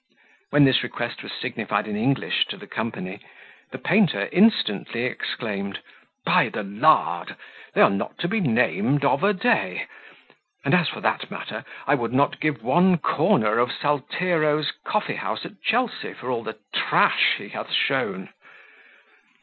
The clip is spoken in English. When this request was signified in English to the company, the painter instantly exclaimed, "By the Lard! they are not to be named of a day. And as for that matter, I would not give one corner of Saltero's coffee house at Chelsea for all the trash he hath shown."